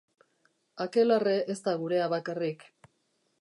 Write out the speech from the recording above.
Akelarre ez da gurea bakarrik.